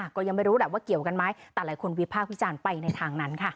ก็ยังไม่รู้แหละว่าเกี่ยวกันไหมแต่หลายคนวิพากษ์วิจารณ์ไปในทางนั้นค่ะ